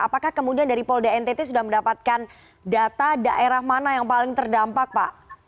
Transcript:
apakah kemudian dari polda ntt sudah mendapatkan data daerah mana yang paling terdampak pak